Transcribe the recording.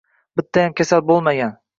Bittayam kasal bo‘lmagan.